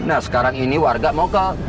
nah sekarang ini warga mau ke pak rt